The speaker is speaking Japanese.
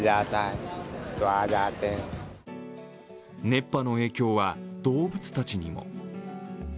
熱波の影響は動物たちにも。